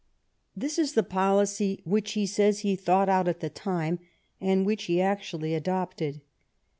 This is the policy which he says he thought out at the time, and which he actually adopted.